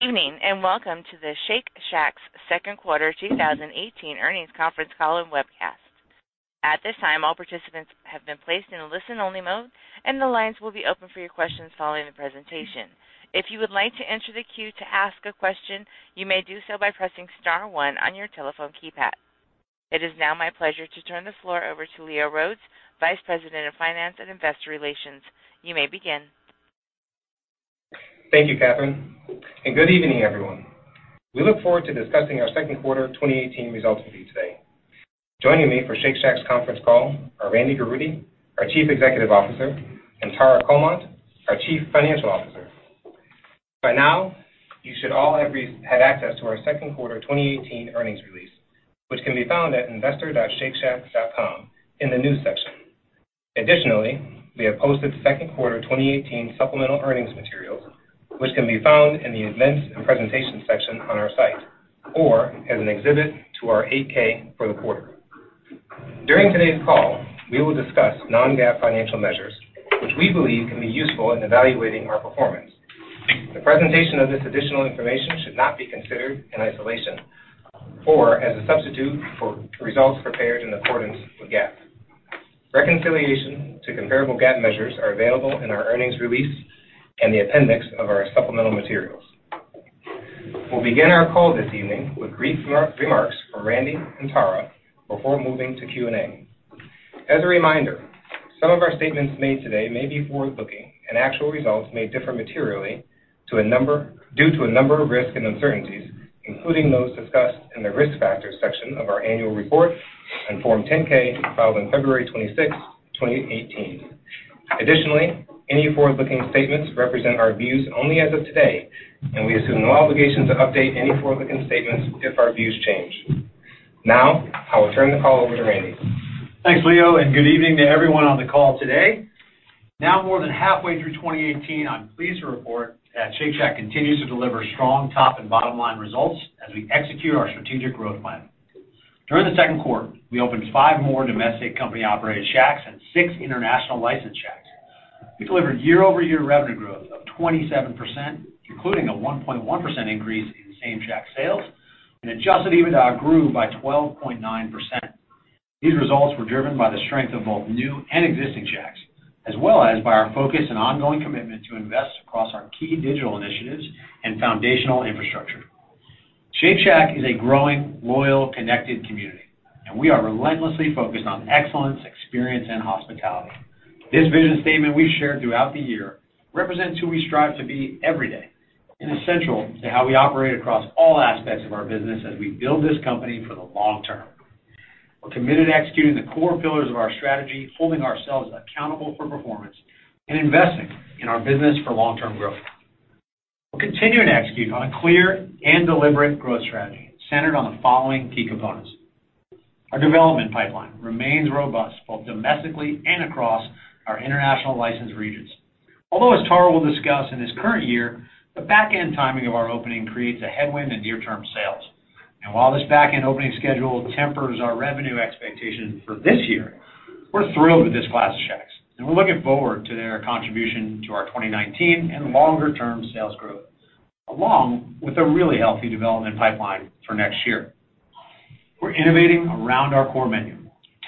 Evening, welcome to the Shake Shack's second quarter 2018 earnings conference call and webcast. At this time, all participants have been placed in a listen-only mode, and the lines will be open for your questions following the presentation. If you would like to enter the queue to ask a question, you may do so by pressing star one on your telephone keypad. It is now my pleasure to turn the floor over to Leo Rhodes, Vice President of Finance and Investor Relations. You may begin. Thank you, Catherine. Good evening, everyone. We look forward to discussing our second quarter 2018 results with you today. Joining me for Shake Shack's conference call are Randy Garutti, our Chief Executive Officer, and Tara Comonte, our Chief Financial Officer. By now, you should all have had access to our second quarter 2018 earnings release, which can be found at investor.shakeshack.com in the News section. Additionally, we have posted second quarter 2018 supplemental earnings materials, which can be found in the Events and Presentation section on our site or as an exhibit to our 8-K for the quarter. During today's call, we will discuss non-GAAP financial measures, which we believe can be useful in evaluating our performance. The presentation of this additional information should not be considered in isolation or as a substitute for results prepared in accordance with GAAP. Reconciliation to comparable GAAP measures are available in our earnings release and the appendix of our supplemental materials. We'll begin our call this evening with brief remarks from Randy and Tara before moving to Q&A. As a reminder, some of our statements made today may be forward-looking, and actual results may differ materially due to a number of risks and uncertainties, including those discussed in the Risk Factors section of our annual report and Form 10-K filed on February 26, 2018. Additionally, any forward-looking statements represent our views only as of today, and we assume no obligation to update any forward-looking statements if our views change. I will turn the call over to Randy. Thanks, Leo. Good evening to everyone on the call today. Now more than halfway through 2018, I'm pleased to report that Shake Shack continues to deliver strong top and bottom-line results as we execute our strategic growth plan. During the second quarter, we opened five more domestic company-operated Shacks and six international licensed Shacks. We delivered year-over-year revenue growth of 27%, including a 1.1% increase in Same-Shack sales and adjusted EBITDA grew by 12.9%. These results were driven by the strength of both new and existing Shacks, as well as by our focus and ongoing commitment to invest across our key digital initiatives and foundational infrastructure. Shake Shack is a growing, loyal, connected community, and we are relentlessly focused on excellence, experience, and hospitality. This vision statement we share throughout the year represents who we strive to be every day and essential to how we operate across all aspects of our business as we build this company for the long term. We're committed to executing the core pillars of our strategy, holding ourselves accountable for performance, and investing in our business for long-term growth. We're continuing to execute on a clear and deliberate growth strategy centered on the following key components. Our development pipeline remains robust, both domestically and across our international licensed regions. As Tara will discuss in this current year, the back-end timing of our opening creates a headwind in near-term sales. While this back-end opening schedule tempers our revenue expectation for this year, we're thrilled with this class of Shacks, and we're looking forward to their contribution to our 2019 and longer-term sales growth, along with a really healthy development pipeline for next year. We're innovating around our core menu,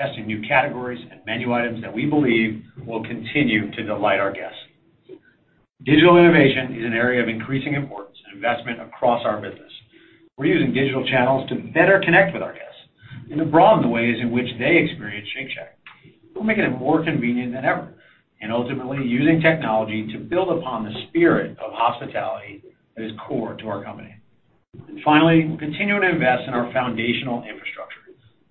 testing new categories and menu items that we believe will continue to delight our guests. Digital innovation is an area of increasing importance and investment across our business. We're using digital channels to better connect with our guests and broaden the ways in which they experience Shake Shack. We're making it more convenient than ever, and ultimately using technology to build upon the spirit of hospitality that is core to our company. Finally, we're continuing to invest in our foundational infrastructure,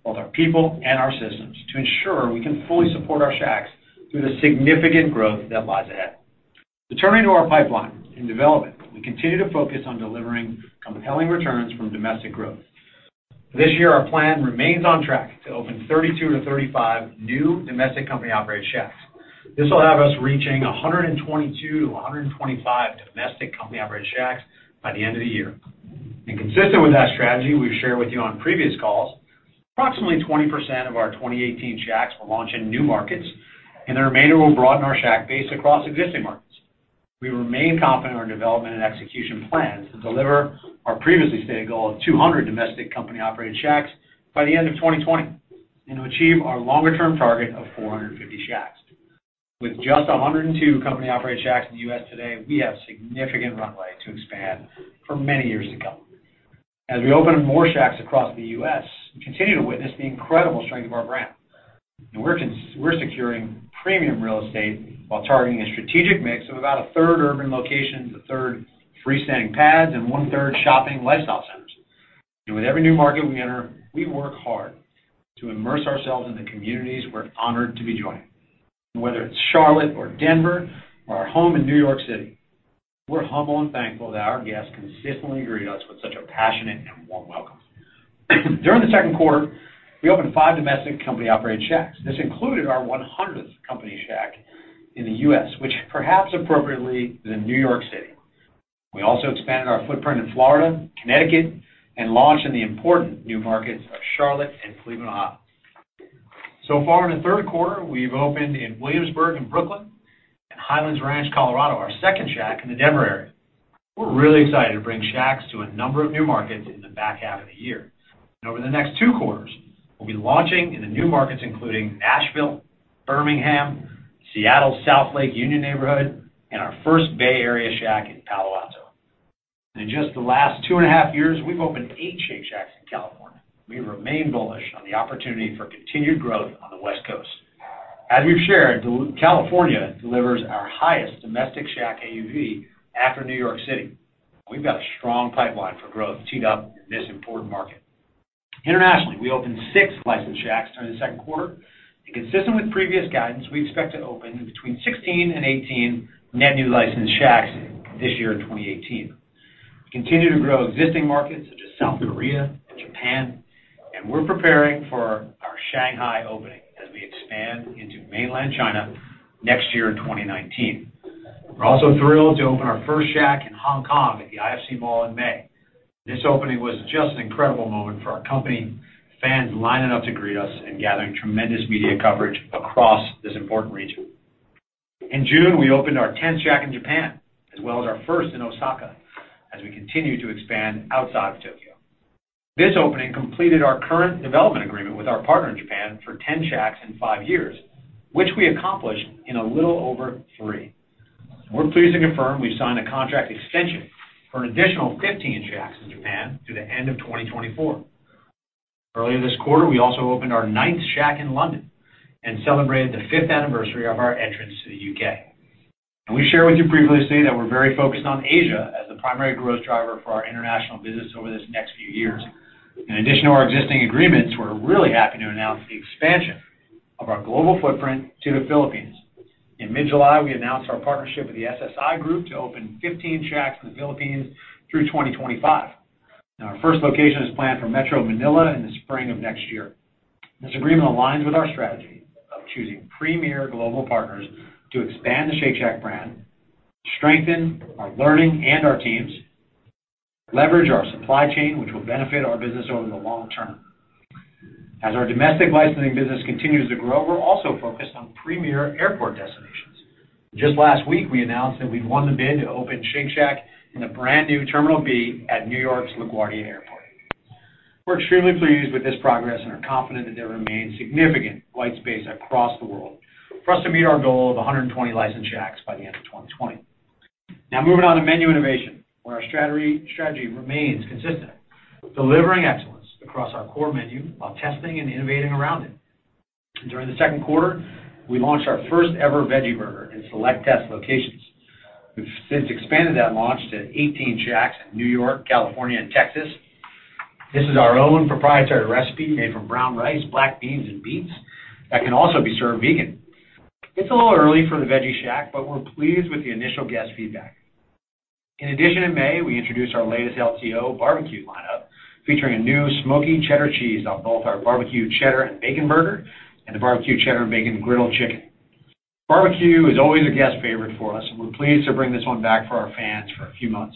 both our people and our systems, to ensure we can fully support our Shacks through the significant growth that lies ahead. Returning to our pipeline in development, we continue to focus on delivering compelling returns from domestic growth. This year, our plan remains on track to open 32-35 new domestic company-operated Shacks. This will have us reaching 122-125 domestic company-operated Shacks by the end of the year. Consistent with that strategy we've shared with you on previous calls, approximately 20% of our 2018 Shacks will launch in new markets, and the remainder will broaden our Shack base across existing markets. We remain confident in our development and execution plans to deliver our previously stated goal of 200 domestic company-operated Shacks by the end of 2020 and to achieve our longer-term target of 450 Shacks. With just 102 company-operated Shacks in the U.S. today, we have significant runway to expand for many years to come. As we open more Shacks across the U.S., we continue to witness the incredible strength of our brand. We're securing premium real estate while targeting a strategic mix of about a third urban locations, a third freestanding pads, and one-third shopping lifestyle centers. With every new market we enter, we work hard to immerse ourselves in the communities we're honored to be joining. Whether it's Charlotte or Denver or our home in New York City, we're humble and thankful that our guests consistently greet us with such a passionate and warm welcome. During the second quarter, we opened five domestic company-operated Shacks. This included our 100th company Shack in the U.S., which perhaps appropriately, is in New York City. We also expanded our footprint in Florida, Connecticut, and launched in the important new markets of Charlotte and Cleveland. So far in the third quarter, we've opened in Williamsburg, in Brooklyn, and Highlands Ranch, Colorado, our second Shack in the Denver area. We're really excited to bring Shacks to a number of new markets in the back half of the year, and over the next two quarters, we'll be launching in the new markets including Asheville, Birmingham, Seattle's South Lake Union neighborhood, and our first Bay Area Shack in Palo Alto. In just the last two and a half years, we've opened eight Shake Shacks in California. We remain bullish on the opportunity for continued growth on the West Coast. As we've shared, California delivers our highest domestic Shack AUV after New York City. We've got a strong pipeline for growth teed up in this important market. Internationally, we opened six licensed Shacks during the second quarter. Consistent with previous guidance, we expect to open between 16 and 18 net new licensed Shacks this year in 2018. We continue to grow existing markets such as South Korea and Japan, and we're preparing for our Shanghai opening as we expand into mainland China next year in 2019. We're also thrilled to open our first Shack in Hong Kong at the IFC Mall in May. This opening was just an incredible moment for our company, fans lining up to greet us, and gathering tremendous media coverage across this important region. In June, we opened our 10th Shack in Japan, as well as our first in Osaka, as we continue to expand outside of Tokyo. This opening completed our current development agreement with our partner in Japan for 10 Shacks in five years, which we accomplished in a little over three. We're pleased to confirm we've signed a contract extension for an additional 15 Shacks in Japan through the end of 2024. Earlier this quarter, we also opened our ninth Shack in London and celebrated the fifth anniversary of our entrance to the U.K. We shared with you previously that we're very focused on Asia as the primary growth driver for our international business over this next few years. In addition to our existing agreements, we're really happy to announce the expansion of our global footprint to the Philippines. In mid-July, we announced our partnership with the SSI Group to open 15 Shacks in the Philippines through 2025. Our first location is planned for Metro Manila in the spring of next year. This agreement aligns with our strategy of choosing premier global partners to expand the Shake Shack brand, strengthen our learning and our teams, leverage our supply chain, which will benefit our business over the long term. As our domestic licensing business continues to grow, we're also focused on premier airport destinations. Just last week, we announced that we'd won the bid to open Shake Shack in the brand-new Terminal B at New York's LaGuardia Airport. We're extremely pleased with this progress and are confident that there remains significant white space across the world for us to meet our goal of 120 licensed Shacks by the end of 2020. Moving on to menu innovation, where our strategy remains consistent, delivering excellence across our core menu while testing and innovating around it. During the second quarter, we launched our first ever veggie burger in select test locations. We've since expanded that launch to 18 Shacks in New York, California, and Texas. This is our own proprietary recipe made from brown rice, black beans, and beets that can also be served vegan. It's a little early for the Veggie Shack, but we're pleased with the initial guest feedback. In addition, in May, we introduced our latest LTO barbecue lineup, featuring a new smoky cheddar cheese on both our barbecue cheddar bacon burger and the barbecue cheddar bacon griddled chicken. Barbecue is always a guest favorite for us, and we're pleased to bring this one back for our fans for a few months.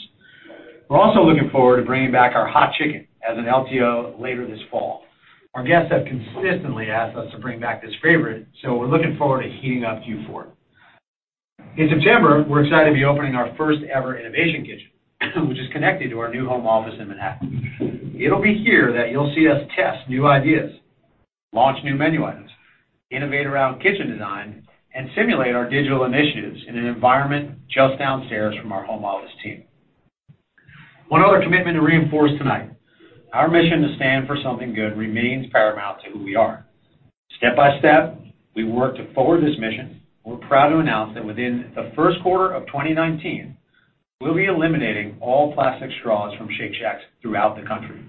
We're also looking forward to bringing back our hot chicken as an LTO later this fall. Our guests have consistently asked us to bring back this favorite, so we're looking forward to heating up Q4. In September, we're excited to be opening our first ever innovation kitchen, which is connected to our new home office in Manhattan. It'll be here that you'll see us test new ideas, launch new menu items, innovate around kitchen design, and simulate our digital initiatives in an environment just downstairs from our home office team. One other commitment to reinforce tonight, our mission to stand for something good remains paramount to who we are. Step by step, we work to forward this mission, and we're proud to announce that within the first quarter of 2019, we'll be eliminating all plastic straws from Shake Shacks throughout the country.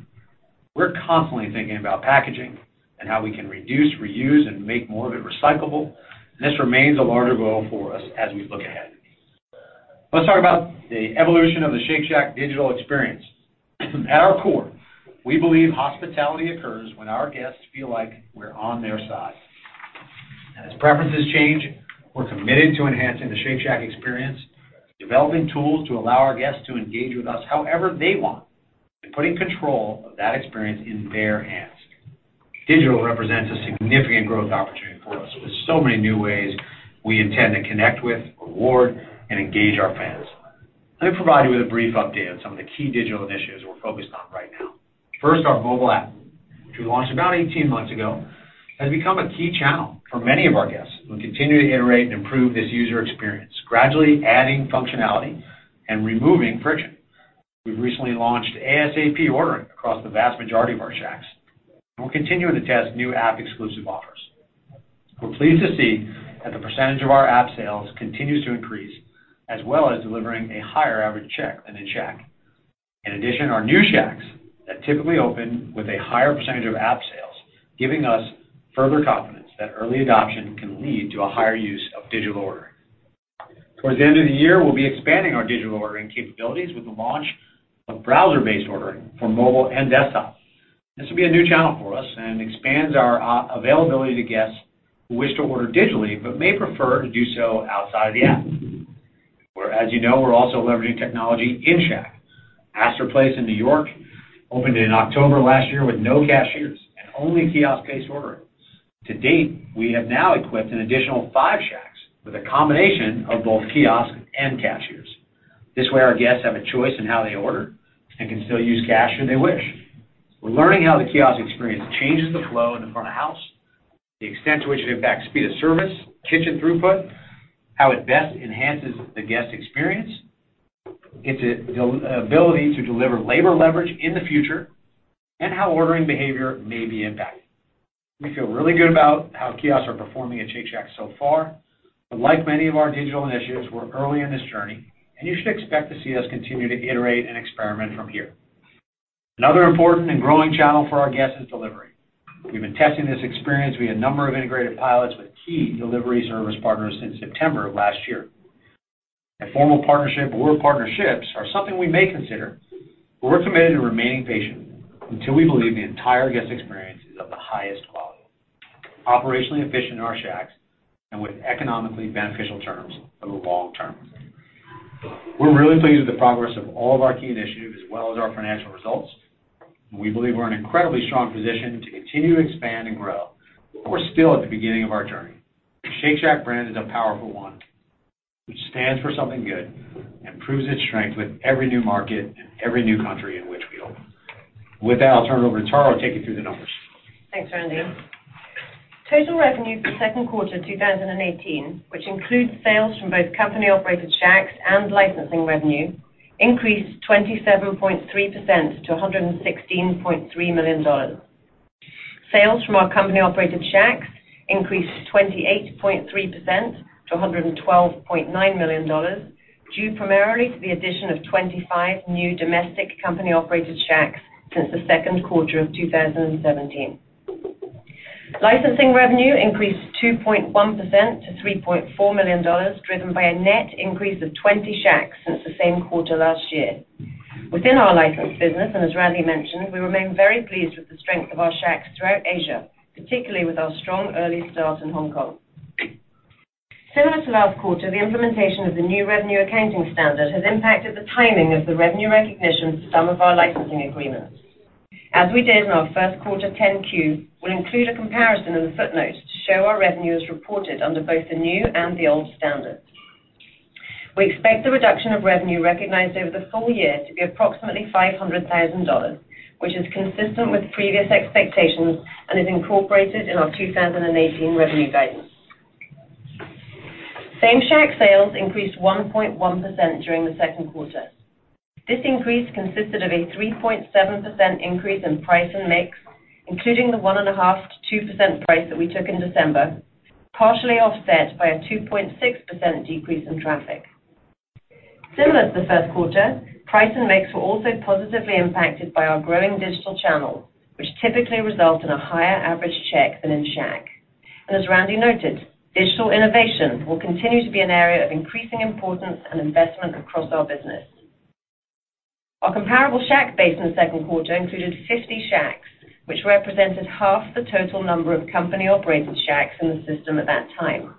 We're constantly thinking about packaging and how we can reduce, reuse, and make more of it recyclable, and this remains a larger goal for us as we look ahead. Let's talk about the evolution of the Shake Shack digital experience. At our core, we believe hospitality occurs when our guests feel like we're on their side. As preferences change, we're committed to enhancing the Shake Shack experience, developing tools to allow our guests to engage with us however they want, and putting control of that experience in their hands. Digital represents a significant growth opportunity for us with so many new ways we intend to connect with, reward, and engage our fans. Let me provide you with a brief update on some of the key digital initiatives we're focused on right now. First, our mobile app, which we launched about 18 months ago, has become a key channel for many of our guests. We'll continue to iterate and improve this user experience, gradually adding functionality and removing friction. We've recently launched ASAP ordering across the vast majority of our Shacks, and we're continuing to test new app-exclusive offers. We're pleased to see that the percentage of our app sales continues to increase, as well as delivering a higher average check than in Shack. In addition, our new Shacks that typically open with a higher percentage of app sales, giving us further confidence that early adoption can lead to a higher use of digital ordering. Towards the end of the year, we'll be expanding our digital ordering capabilities with the launch of browser-based ordering for mobile and desktop. This will be a new channel for us, and expands our availability to guests who wish to order digitally but may prefer to do so outside of the app. As you know, we're also leveraging technology in Shacks. Astor Place in New York opened in October last year with no cashiers and only kiosk-based ordering. To date, we have now equipped an additional five Shacks with a combination of both kiosks and cashiers. This way, our guests have a choice in how they order and can still use cash should they wish. We're learning how the kiosk experience changes the flow in the front of house, the extent to which it impacts speed of service, kitchen throughput, how it best enhances the guest experience, its ability to deliver labor leverage in the future, and how ordering behavior may be impacted. We feel really good about how kiosks are performing at Shake Shack so far, but like many of our digital initiatives, we're early in this journey, and you should expect to see us continue to iterate and experiment from here. Another important and growing channel for our guests is delivery. We've been testing this experience. We had a number of integrated pilots with key delivery service partners since September of last year. A formal partnership or partnerships are something we may consider, but we're committed to remaining patient until we believe the entire guest experience is of the highest quality, operationally efficient in our Shacks, and with economically beneficial terms over the long term. We're really pleased with the progress of all of our key initiatives as well as our financial results. We believe we're in an incredibly strong position to continue to expand and grow, but we're still at the beginning of our journey. The Shake Shack brand is a powerful one, which stands for something good and proves its strength with every new market and every new country in which we open. With that, I'll turn it over to Tara to take you through the numbers. Thanks, Randy. Total revenue for second quarter 2018, which includes sales from both company-operated Shacks and licensing revenue, increased 27.3% to $116.3 million. Sales from our company-operated Shacks increased 28.3% to $112.9 million, due primarily to the addition of 25 new domestic company-operated Shacks since the second quarter of 2017. Licensing revenue increased 2.1% to $3.4 million, driven by a net increase of 20 Shacks since the same quarter last year. Within our licensed business, as Randy mentioned, we remain very pleased with the strength of our Shacks throughout Asia, particularly with our strong early start in Hong Kong. Similar to last quarter, the implementation of the new revenue accounting standard has impacted the timing of the revenue recognition for some of our licensing agreements. As we did in our first quarter 10-Q, we'll include a comparison in the footnotes to show our revenues reported under both the new and the old standards. We expect the reduction of revenue recognized over the full year to be approximately $500,000, which is consistent with previous expectations and is incorporated in our 2018 revenue guidance. Same-Shack sales increased 1.1% during the second quarter. This increase consisted of a 3.7% increase in price and mix, including the 1.5%-2% price that we took in December, partially offset by a 2.6% decrease in traffic. Similar to the first quarter, price and mix were also positively impacted by our growing digital channel, which typically result in a higher average check than in Shack. As Randy noted, digital innovation will continue to be an area of increasing importance and investment across our business. Our comparable Shack base in the second quarter included 50 Shacks, which represented half the total number of company-operated Shacks in the system at that time.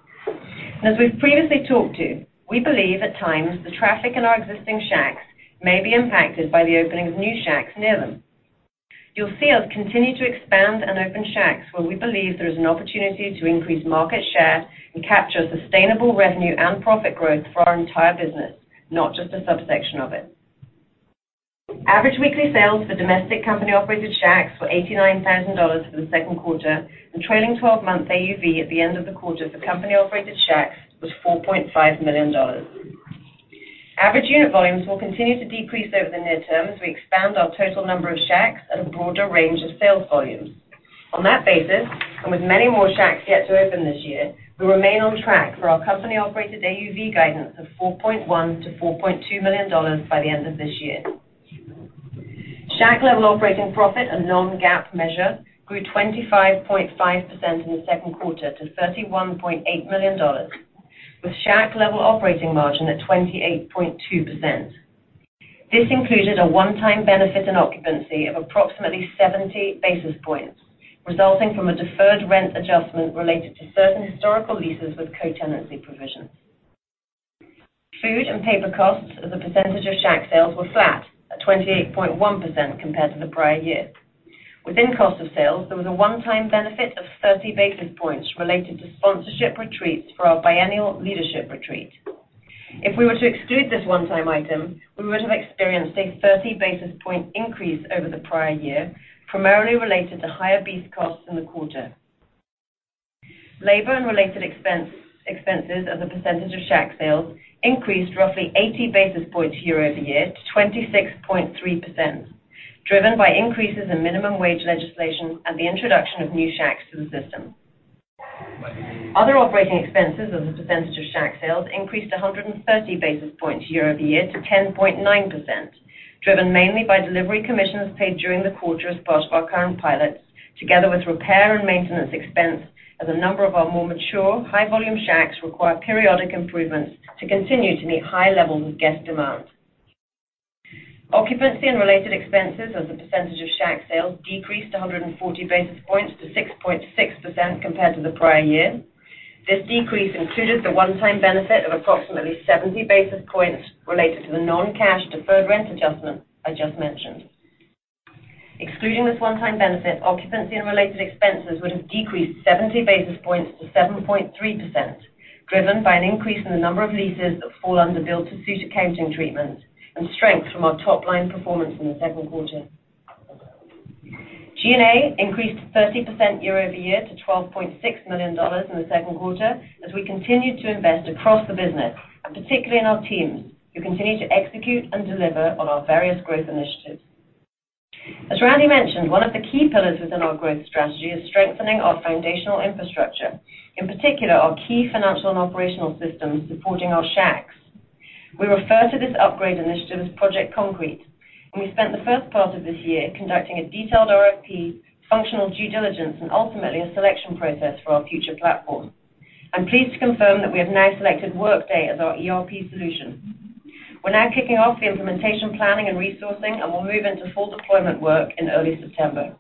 As we've previously talked to, we believe at times the traffic in our existing Shacks may be impacted by the opening of new Shacks near them. You'll see us continue to expand and open Shacks where we believe there is an opportunity to increase market share and capture sustainable revenue and profit growth for our entire business, not just a subsection of it. Average weekly sales for domestic company-operated Shacks were $89,000 for the second quarter, and trailing 12 months AUV at the end of the quarter for company-operated Shacks was $4.5 million. Average unit volumes will continue to decrease over the near term as we expand our total number of Shacks at a broader range of sales volumes. On that basis, with many more Shacks yet to open this year, we remain on track for our company-operated AUV guidance of $4.1 million-$4.2 million by the end of this year. Shack level operating profit and non-GAAP measure grew 25.5% in the second quarter to $31.8 million, with Shack level operating margin at 28.2%. This included a one-time benefit in occupancy of approximately 70 basis points, resulting from a deferred rent adjustment related to certain historical leases with co-tenancy provisions. Food and paper costs as a percentage of Shack sales were flat at 28.1% compared to the prior year. Within cost of sales, there was a one-time benefit of 30 basis points related to sponsorship receipts for our biennial leadership retreat. If we were to exclude this one-time item, we would have experienced a 30 basis point increase over the prior year, primarily related to higher beef costs in the quarter. Labor and related expenses as a percentage of Shack sales increased roughly 80 basis points year-over-year to 26.3%, driven by increases in minimum wage legislation and the introduction of new Shacks to the system. Other operating expenses as a percentage of Shack sales increased 130 basis points year-over-year to 10.9%, driven mainly by delivery commissions paid during the quarter as part of our current pilots, together with repair and maintenance expense as a number of our more mature, high-volume Shacks require periodic improvements to continue to meet high levels of guest demand. Occupancy and related expenses as a percentage of Shack sales decreased 140 basis points to 6.6% compared to the prior year. This decrease included the one-time benefit of approximately 70 basis points related to the non-cash deferred rent adjustment I just mentioned. Excluding this one-time benefit, occupancy and related expenses would have decreased 70 basis points to 7.3%, driven by an increase in the number of leases that fall under built-to-suit accounting treatment and strength from our top-line performance in the second quarter. G&A increased 30% year-over-year to $12.6 million in the second quarter as we continued to invest across the business, and particularly in our teams, who continue to execute and deliver on our various growth initiatives. As Randy mentioned, one of the key pillars within our growth strategy is strengthening our foundational infrastructure, in particular our key financial and operational systems supporting our Shacks. We refer to this upgrade initiative as Project Concrete, and we spent the first part of this year conducting a detailed RFP, functional due diligence, and ultimately a selection process for our future platform. I'm pleased to confirm that we have now selected Workday as our ERP solution. We're now kicking off the implementation planning and resourcing, and will move into full deployment work in early September.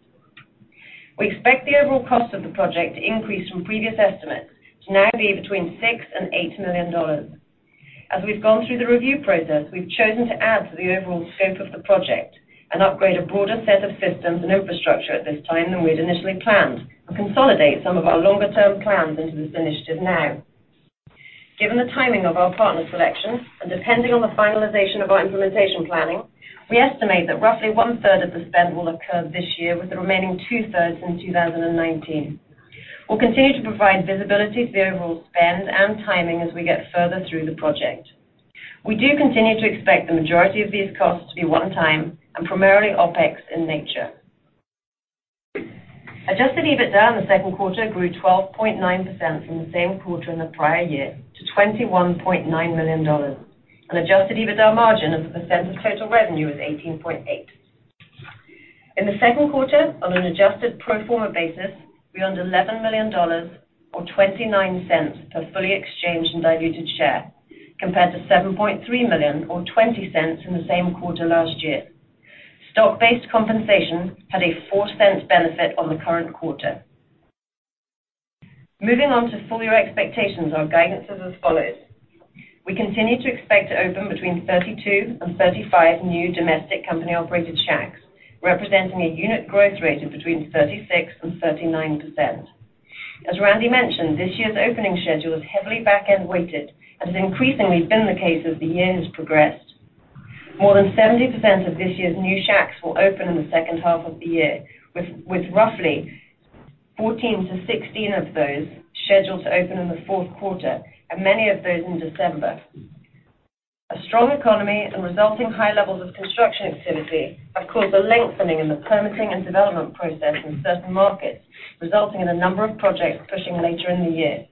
We expect the overall cost of the project to increase from previous estimates to now be between $6 million and $8 million. As we've gone through the review process, we've chosen to add to the overall scope of the project and upgrade a broader set of systems and infrastructure at this time than we had initially planned and consolidate some of our longer-term plans into this initiative now. Given the timing of our partner selection and depending on the finalization of our implementation planning, we estimate that roughly one-third of the spend will occur this year with the remaining two-thirds in 2019. We'll continue to provide visibility to the overall spend and timing as we get further through the project. We do continue to expect the majority of these costs to be one time and primarily OpEx in nature. Adjusted EBITDA in the second quarter grew 12.9% from the same quarter in the prior year to $21.9 million, and adjusted EBITDA margin as a percent of total revenue was 18.8%. In the second quarter, on an adjusted pro forma basis, we earned $11 million, or $0.29 per fully exchanged and diluted share, compared to $7.3 million or $0.20 in the same quarter last year. Stock-based compensation had a $0.04 benefit on the current quarter. Moving on to full-year expectations, our guidance is as follows. We continue to expect to open between 32 and 35 new domestic company-operated Shacks, representing a unit growth rate of between 36% and 39%. As Randy mentioned, this year's opening schedule is heavily back-end weighted and has increasingly been the case as the year has progressed. More than 70% of this year's new Shacks will open in the second half of the year, with roughly 14 to 16 of those scheduled to open in the fourth quarter, and many of those in December. A strong economy and resulting high levels of construction activity have caused a lengthening in the permitting and development process in certain markets, resulting in a number of projects pushing later in the year.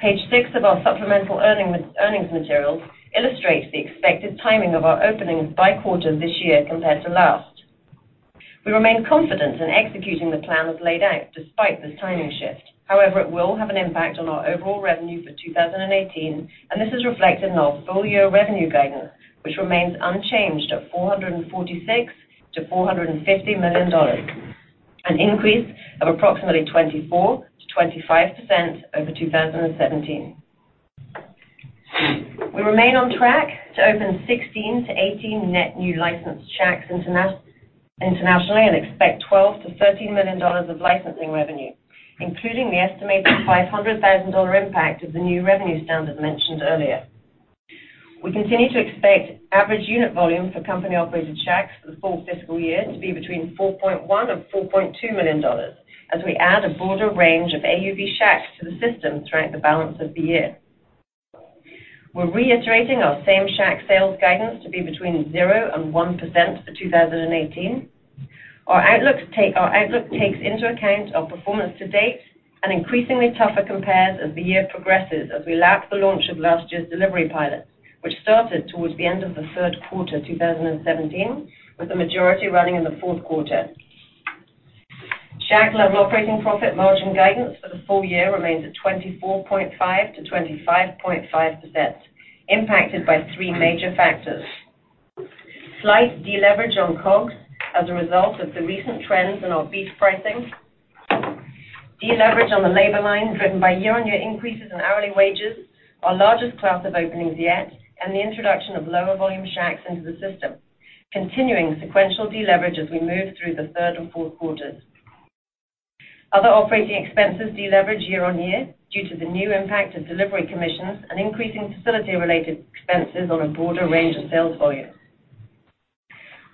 Page six of our supplemental earnings materials illustrates the expected timing of our openings by quarter this year compared to last. We remain confident in executing the plans laid out despite this timing shift. However, it will have an impact on our overall revenue for 2018, and this is reflected in our full-year revenue guidance, which remains unchanged at $446 million to $450 million, an increase of approximately 24% to 25% over 2017. We remain on track to open 16 to 18 net new licensed Shacks internationally and expect $12 million to $13 million of licensing revenue, including the estimated $500,000 impact of the new revenue standard mentioned earlier. We continue to expect average unit volume for company-operated Shacks for the full fiscal year to be between $4.1 million and $4.2 million as we add a broader range of AUV Shacks to the system throughout the balance of the year. We're reiterating our Same-Shack sales guidance to be between 0% and 1% for 2018. Our outlook takes into account our performance to date and increasingly tougher compares as the year progresses as we lap the launch of last year's delivery pilot, which started towards the end of the third quarter 2017, with the majority running in the fourth quarter. Shack-level operating profit margin guidance for the full year remains at 24.5%-25.5%, impacted by three major factors. Slight deleverage on COGS as a result of the recent trends in our beef pricing. Deleverage on the labor line driven by year-on-year increases in hourly wages, our largest class of openings yet, and the introduction of lower volume Shacks into the system. Continuing sequential deleverage as we move through the third and fourth quarters. Other operating expenses deleverage year-on-year due to the new impact of delivery commissions and increasing facility-related expenses on a broader range of sales volumes.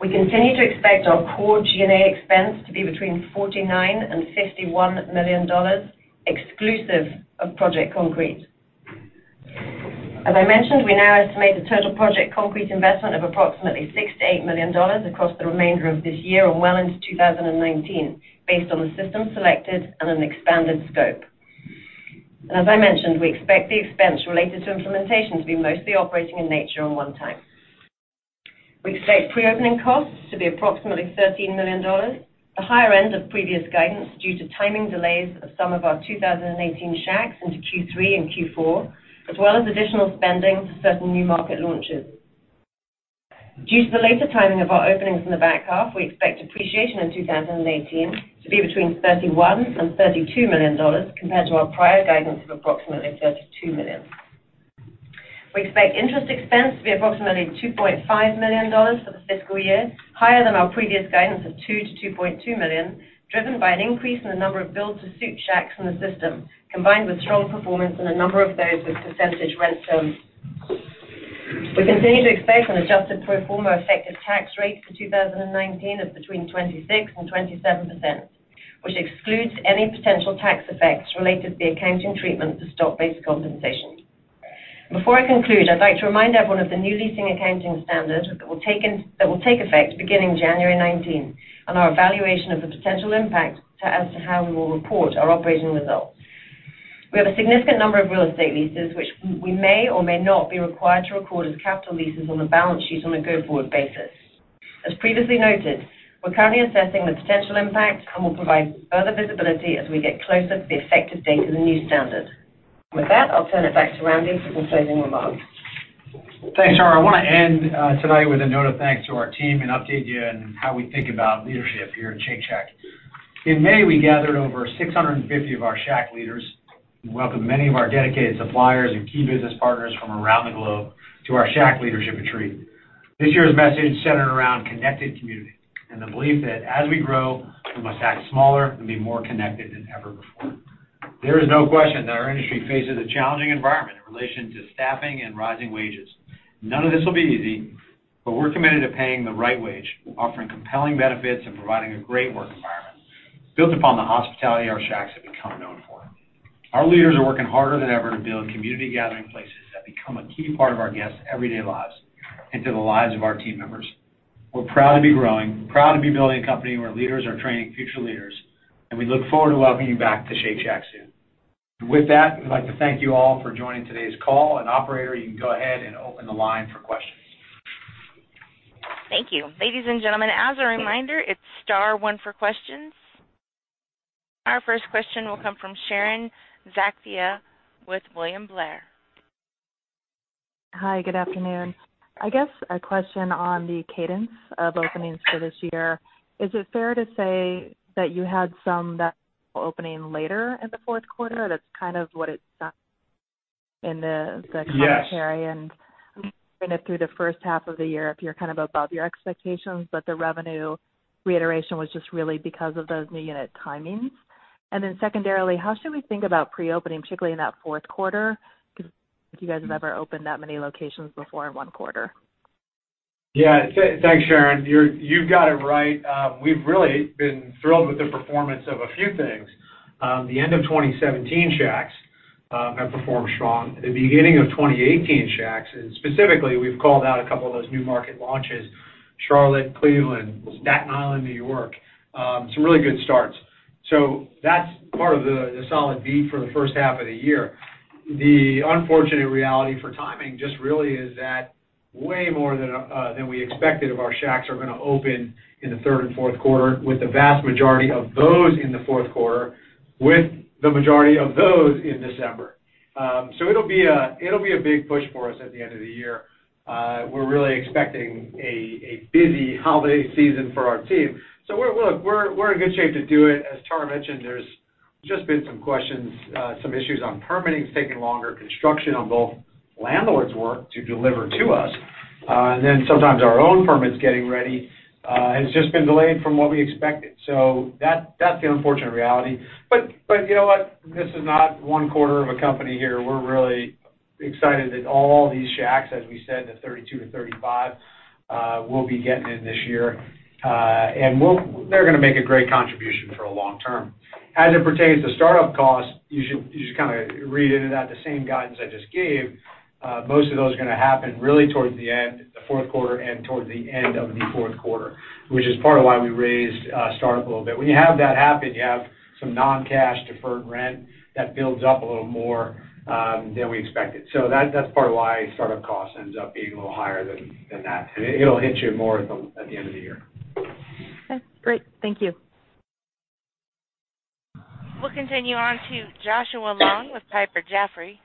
We continue to expect our core G&A expense to be between $49 and $51 million, exclusive of Project Concrete. As I mentioned, we now estimate a total Project Concrete investment of approximately $6 to $8 million across the remainder of this year and well into 2019 based on the system selected and an expanded scope. As I mentioned, we expect the expense related to implementation to be mostly operating in nature and one-time. We expect pre-opening costs to be approximately $13 million, the higher end of previous guidance due to timing delays of some of our 2018 Shacks into Q3 and Q4, as well as additional spending for certain new market launches. Due to the later timing of our openings in the back half, we expect depreciation in 2018 to be between $31 and $32 million, compared to our prior guidance of approximately $32 million. We expect interest expense to be approximately $2.5 million for the fiscal year, higher than our previous guidance of approximately $2 to $2.2 million, driven by an increase in the number of built-to-suit Shacks in the system, combined with strong performance in a number of those with percentage rent zones. We continue to expect an adjusted pro forma effective tax rate for 2019 of between 26%-27%, which excludes any potential tax effects related to the accounting treatment to stock-based compensation. Before I conclude, I'd like to remind everyone of the new leasing accounting standard that will take effect beginning January 2019, and our evaluation of the potential impact as to how we will report our operating results. We have a significant number of real estate leases, which we may or may not be required to record as capital leases on the balance sheet on a go-forward basis. As previously noted, we're currently assessing the potential impact and will provide further visibility as we get closer to the effective date of the new standard. With that, I'll turn it back to Randy for some closing remarks. Thanks, Tara. I want to end tonight with a note of thanks to our team and update you on how we think about leadership here at Shake Shack. In May, we gathered over 650 of our Shack leaders and welcomed many of our dedicated suppliers and key business partners from around the globe to our Shack Leadership Retreat. This year's message centered around connected community and the belief that as we grow, we must act smaller and be more connected than ever before. There is no question that our industry faces a challenging environment in relation to staffing and rising wages. None of this will be easy, but we're committed to paying the right wage, offering compelling benefits, and providing a great work environment built upon the hospitality our Shacks have become known for. Our leaders are working harder than ever to build community gathering places that become a key part of our guests' everyday lives and to the lives of our team members. We're proud to be growing, proud to be building a company where leaders are training future leaders, and we look forward to welcoming you back to Shake Shack soon. With that, we'd like to thank you all for joining today's call, operator, you can go ahead and open the line for questions. Thank you. Ladies and gentlemen, as a reminder, it's star one for questions. Our first question will come from Sharon Zackfia with William Blair. Hi, good afternoon. I guess a question on the cadence of openings for this year. Is it fair to say that you had some that opening later in the fourth quarter? That's kind of what it sounds in the commentary. Yes Through the first half of the year, if you're kind of above your expectations, the revenue reiteration was just really because of those new unit timings. Secondarily, how should we think about pre-opening, particularly in that fourth quarter, if you guys have ever opened that many locations before in one quarter? Yeah. Thanks, Sharon. You've got it right. We've really been thrilled with the performance of a few things. The end of 2017 Shacks have performed strong. The beginning of 2018 Shacks, specifically, we've called out a couple of those new market launches, Charlotte, Cleveland, Staten Island, New York, some really good starts. That's part of the solid beat for the first half of the year. The unfortunate reality for timing just really is that way more than we expected of our Shacks are going to open in the third and fourth quarter, with the vast majority of those in the fourth quarter, with the majority of those in December. It'll be a big push for us at the end of the year. We're really expecting a busy holiday season for our team. We're in good shape to do it. As Tara mentioned, there's just been some questions, some issues on permitting is taking longer, construction on both landlords work to deliver to us. Sometimes our own permits getting ready has just been delayed from what we expected. That's the unfortunate reality. You know what? This is not one quarter of a company here. We're really excited that all these Shacks, as we said, the 32-35, will be getting in this year. They're going to make a great contribution for a long term. As it pertains to startup costs, you should kind of read into that the same guidance I just gave. Most of those are going to happen really towards the end, the fourth quarter and towards the end of the fourth quarter, which is part of why we raised startup a little bit. When you have that happen, you have some non-cash deferred rent that builds up a little more than we expected. That's part of why startup cost ends up being a little higher than that. It'll hit you more at the end of the year. Okay, great. Thank you. We'll continue on to Joshua Long with Piper Jaffray.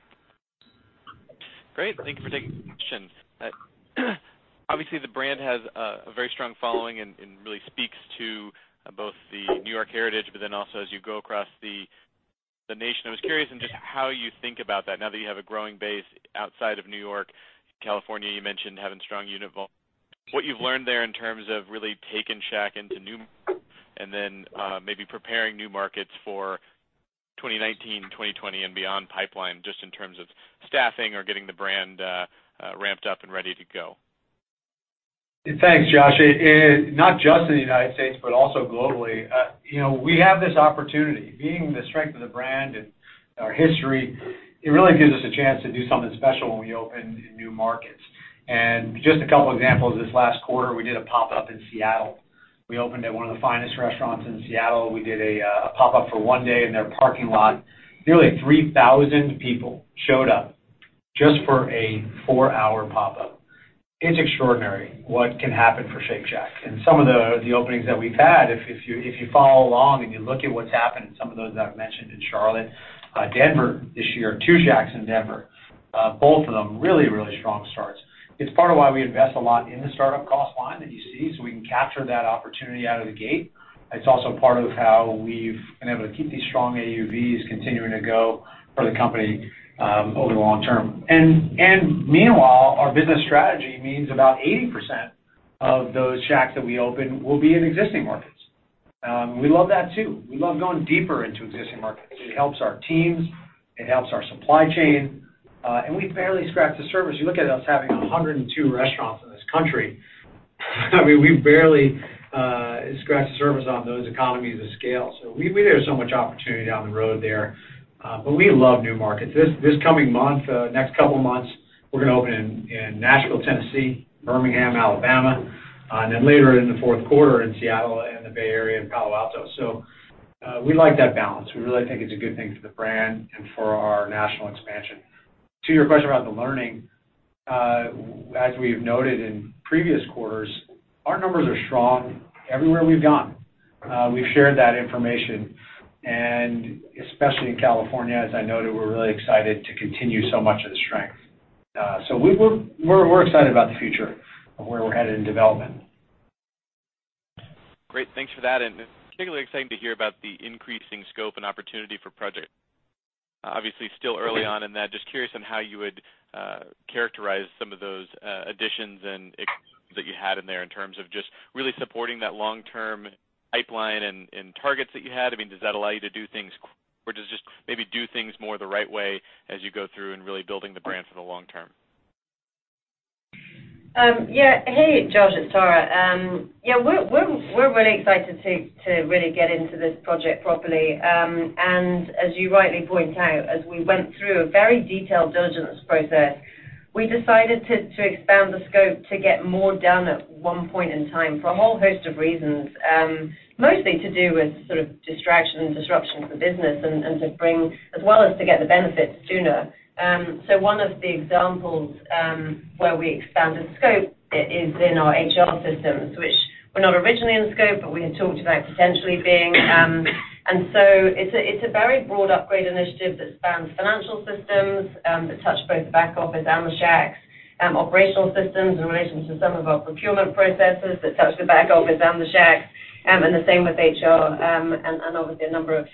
Great. Thank you for taking the question. Obviously, the brand has a very strong following and really speaks to both the New York heritage, also as you go across the nation. I was curious in just how you think about that now that you have a growing base outside of New York, California, you mentioned having strong unit volume. What you've learned there in terms of really taking Shack into new markets, then maybe preparing new markets for 2019, 2020, and beyond pipeline, just in terms of staffing or getting the brand ramped up and ready to go. Thanks, Josh. Not just in the United States, but also globally. We have this opportunity. Being the strength of the brand and our history, it really gives us a chance to do something special when we open in new markets. Just a couple examples, this last quarter, we did a pop-up in Seattle. We opened at one of the finest restaurants in Seattle. We did a pop-up for one day in their parking lot. Nearly 3,000 people showed up just for a four-hour pop-up. It's extraordinary what can happen for Shake Shack. Some of the openings that we've had, if you follow along and you look at what's happened in some of those that I've mentioned in Charlotte, Denver this year, two Shacks in Denver. Both of them really strong starts. It's part of why we invest a lot in the startup cost line that you see, so we can capture that opportunity out of the gate. It's also part of how we've been able to keep these strong AUVs continuing to go for the company over the long term. Meanwhile, our business strategy means about 80% of those Shacks that we open will be in existing markets. We love that too. We love going deeper into existing markets. It helps our teams, it helps our supply chain, and we've barely scratched the surface. You look at us having 102 restaurants in this country, we've barely scratched the surface on those economies of scale. There's so much opportunity down the road there. We love new markets. This coming month, next couple of months, we're going to open in Nashville, Tennessee, Birmingham, Alabama, and then later in the fourth quarter in Seattle and the Bay Area in Palo Alto. We like that balance. We really think it's a good thing for the brand and for our national expansion. To your question about the learning, as we've noted in previous quarters, our numbers are strong everywhere we've gone. We've shared that information, and especially in California, as I noted, we're really excited to continue so much of the strength. We're excited about the future of where we're headed in development. Great. Thanks for that. It's particularly exciting to hear about the increasing scope and opportunity for Project Concrete. Obviously, still early on in that. Just curious on how you would characterize some of those additions and that you had in there in terms of just really supporting that long-term pipeline and targets that you had. Does that allow you to do things, or does it just maybe do things more the right way as you go through in really building the brand for the long term? Yeah. Hey, Josh, it's Tara. We're really excited to really get into this Project Concrete properly. As you rightly point out, as we went through a very detailed diligence process, we decided to expand the scope to get more done at one point in time for a whole host of reasons, mostly to do with sort of distraction and disruption for business and to bring as well as to get the benefits sooner. One of the examples where we expanded scope is in our HR systems, which were not originally in scope, but we had talked about potentially being. It's a very broad upgrade initiative that spans financial systems, that touch both the back office and the Shacks, operational systems in relation to some of our procurement processes that touch the back office and the Shacks, and the same with HR, and obviously a number of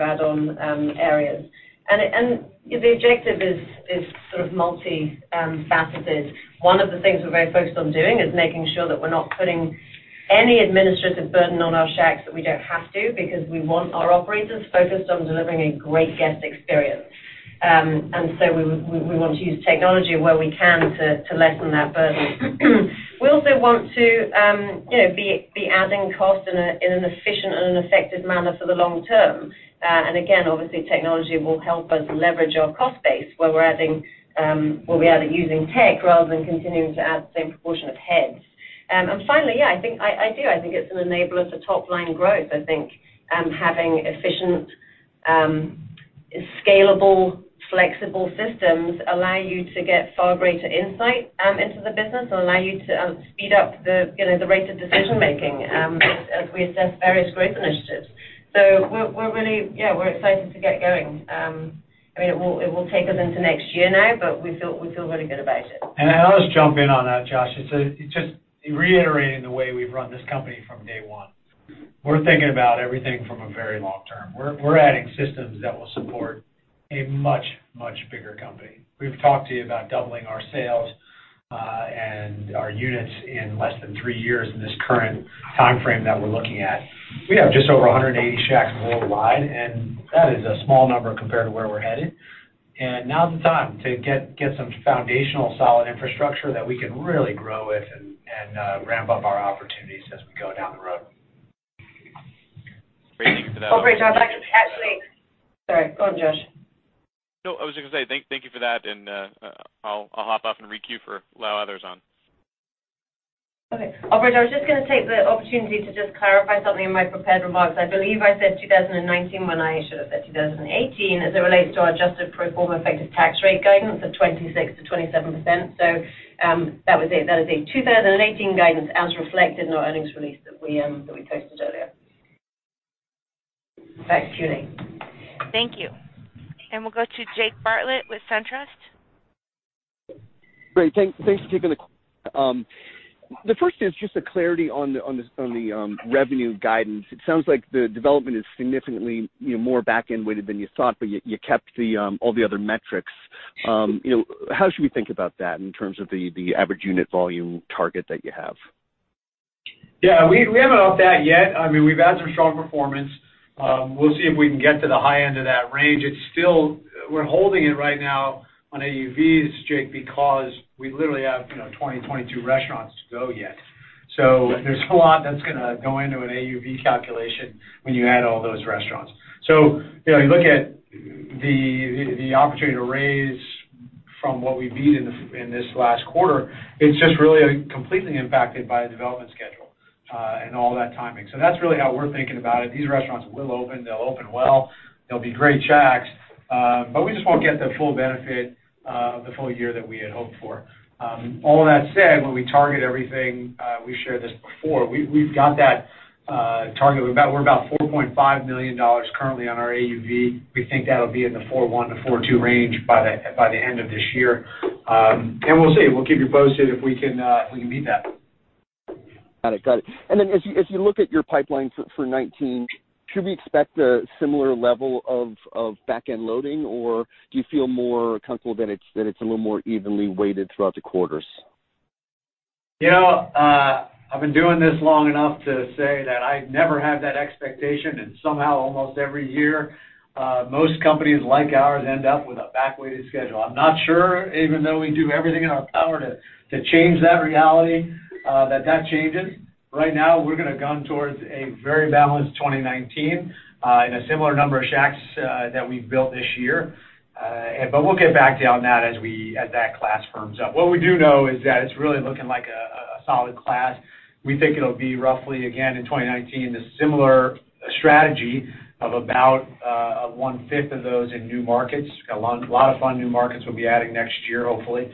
add-on areas. The objective is sort of multi-faceted. One of the things we're very focused on doing is making sure that we're not putting any administrative burden on our Shacks that we don't have to, because we want our operators focused on delivering a great guest experience. We want to use technology where we can to lessen that burden. We also want to be adding cost in an efficient and an effective manner for the long term. Again, obviously, technology will help us leverage our cost base where we're adding, where we're either using tech rather than continuing to add the same proportion of heads. Finally, yeah, I do. I think it's an enabler to top-line growth. I think having efficient, scalable, flexible systems allow you to get far greater insight into the business and allow you to speed up the rate of decision making as we assess various growth initiatives. We're really excited to get going. It will take us into next year now, but we feel really good about it. I'll just jump in on that, Josh. It's just reiterating the way we've run this company from day one. We're thinking about everything from a very long term. We're adding systems that will support a much, much bigger company. We've talked to you about doubling our sales and our units in less than three years in this current timeframe that we're looking at. We have just over 180 Shacks worldwide, and that is a small number compared to where we're headed. Now's the time to get some foundational, solid infrastructure that we can really grow with and ramp up our opportunities as we go down the road. Great. Thank you for that. Operator, I'd like to actually Sorry. Go on, Josh. I was just going to say, thank you for that, and I'll hop off and recue for allow others on. Operator, I was just going to take the opportunity to just clarify something in my prepared remarks. I believe I said 2019 when I should have said 2018 as it relates to our adjusted pro forma effective tax rate guidance of 26%-27%. That was a 2018 guidance as reflected in our earnings release that we posted earlier. Thanks. Julie. Thank you. We'll go to Jake Bartlett with SunTrust. Great. Thanks for taking the call. The first is just a clarity on the revenue guidance. It sounds like the development is significantly more back-end weighted than you thought, but you kept all the other metrics. How should we think about that in terms of the average unit volume target that you have? Yeah, we haven't upped that yet. We've had some strong performance. We'll see if we can get to the high end of that range. We're holding it right now on AUVs, Jake, because we literally have 20, 22 restaurants to go yet. There's a lot that's going to go into an AUV calculation when you add all those restaurants. You look at the opportunity to raise from what we beat in this last quarter, it's just really completely impacted by the development schedule and all that timing. That's really how we're thinking about it. These restaurants will open, they'll open well, they'll be great Shacks, but we just won't get the full benefit of the full year that we had hoped for. All that said, when we target everything, we shared this before, we've got that target. We're about $4.5 million currently on our AUV. We think that'll be in the $4.1-$4.2 range by the end of this year. We'll see. We'll keep you posted if we can beat that. Got it. As you look at your pipeline for 2019, should we expect a similar level of back-end loading, or do you feel more comfortable that it's a little more evenly weighted throughout the quarters? I've been doing this long enough to say that I never have that expectation, and somehow, almost every year, most companies like ours end up with a back-weighted schedule. I'm not sure, even though we do everything in our power to change that reality, that that changes. We're going to gun towards a very balanced 2019 in a similar number of Shacks that we've built this year. We'll get back to you on that as that class firms up. What we do know is that it's really looking like a solid class. We think it'll be roughly, again, in 2019, a similar strategy of about one-fifth of those in new markets. Got a lot of fun new markets we'll be adding next year, hopefully,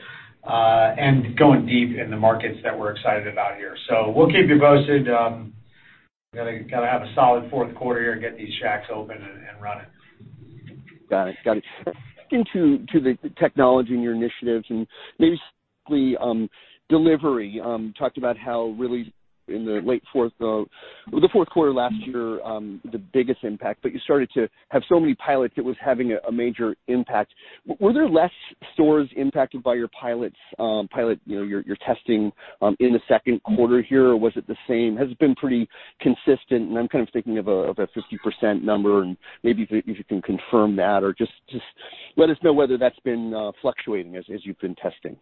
and going deep in the markets that we're excited about here. We'll keep you posted. Got to have a solid fourth quarter here and get these Shacks open and running. Got it. Speaking to the technology and your initiatives and maybe specifically delivery, talked about how really in the fourth quarter last year, the biggest impact. You started to have so many pilots it was having a major impact. Were there less stores impacted by your pilots, your testing in the second quarter here, or was it the same? Has it been pretty consistent? I'm thinking of a 50% number and maybe if you can confirm that or just let us know whether that's been fluctuating as you've been testing.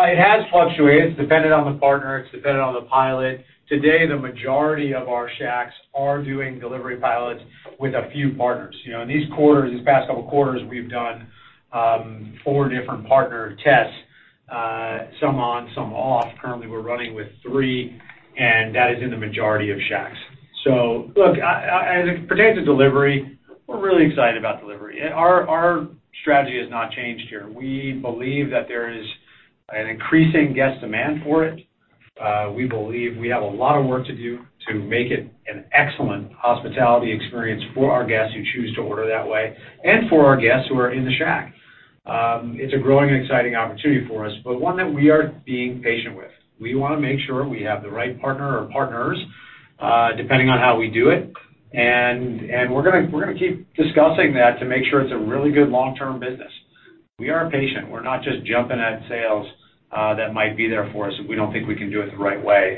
It has fluctuated. It's depended on the partner. It's depended on the pilot. Today, the majority of our Shacks are doing delivery pilots with a few partners. In these past couple quarters, we've done four different partner tests, some on, some off. Currently, we're running with three, and that is in the majority of Shacks. Look, as it pertains to delivery, we're really excited about delivery. Our strategy has not changed here. We believe that there is an increasing guest demand for it. We believe we have a lot of work to do to make it an excellent hospitality experience for our guests who choose to order that way and for our guests who are in the Shack. It's a growing and exciting opportunity for us, but one that we are being patient with. We want to make sure we have the right partner or partners, depending on how we do it. We're going to keep discussing that to make sure it's a really good long-term business. We are patient. We're not just jumping at sales that might be there for us if we don't think we can do it the right way.